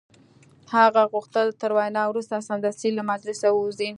هغه غوښتل تر وینا وروسته سمدستي له مجلسه ووځي